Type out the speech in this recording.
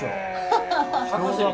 ハハハ。